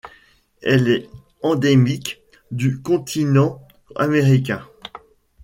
Elle est endémique du continent américain.